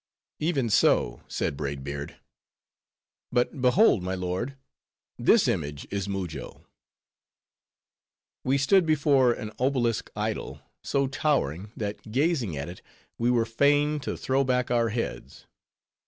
"Even so," said Braid Beard. "But behold, my lord, this image is Mujo." We stood before an obelisk idol, so towering, that gazing at it, we were fain to throw back our heads.